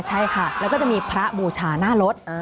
ใช่ค่ะแล้วก็จะมีพระบูชาหน้ารถ